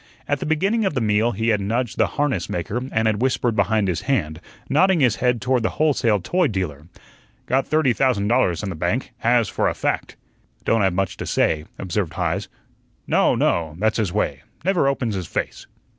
At the beginning of the meal he had nudged the harness maker and had whispered behind his hand, nodding his head toward the wholesale toy dealer, "Got thirty thousand dollars in the bank; has, for a fact." "Don't have much to say," observed Heise. "No, no. That's his way; never opens his face."